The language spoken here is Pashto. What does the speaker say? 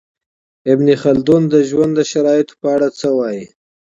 ابن خلدون د ژوند د شرایطو په اړه څه وايي؟